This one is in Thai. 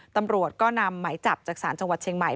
ตำรวจก็นำหมายจับจากศาลจังหวัดเชียงใหม่